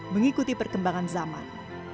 mengikuti perkembangan zaman